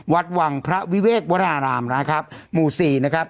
วัดวังพระวิเวกวรารามนะครับหมู่สี่นะครับ